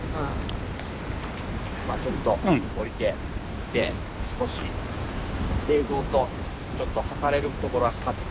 まあちょっと下りて見て少し映像とちょっと測れるところは測ってきます。